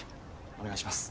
お願いします。